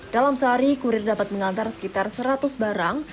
dalam sehari kurir dapat mengantar sekitar seratus barang